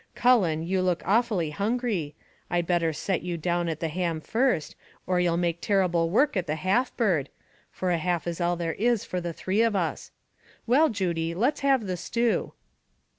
Cullen, you look awfully hungry; I'd better set you at the ham first, or you'll make terrible work at the half bird for a half is all there is for the three of us. Well, Judy, let's have the stew."